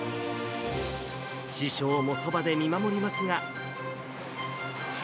師匠もそばで見守りますが。